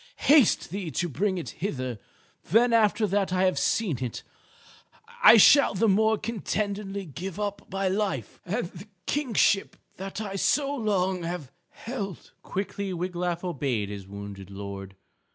Haste thee to bring it hither; then after that I have seen it, I shall the more contentedly give up my life and the kingship that I so long have held." Quickly Wiglaf obeyed his wounded lord.